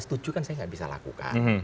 setuju kan saya nggak bisa lakukan